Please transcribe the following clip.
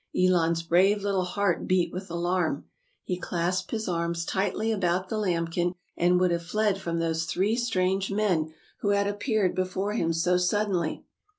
Elon's brave little heart beat with alarm. He clasped his arms tightly about the lambkin and would have fled from those three strange men who had appeared before him so suddenly.